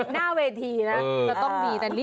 หน้าเวทีนะจะต้องมีแต่นี่